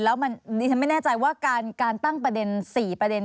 แล้วดิฉันไม่แน่ใจว่าการตั้งประเด็น๔ประเด็น